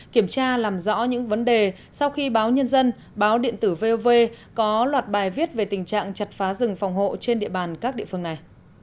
kiểm tra làm rõ những vấn đề sau khi báo nhân dân báo điện tử vov có loạt bài viết về tình trạng chặt phá rừng phòng hộ trên địa bàn các địa phương này